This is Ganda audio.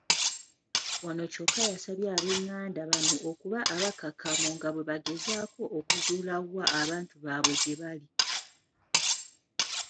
Ono kyokka yasabye abenganda bano okuba abakkakkamu nga bwe bagezaako okuzuula wa abantu baabwe gye bali.